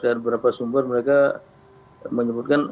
dari beberapa sumber mereka menyebutkan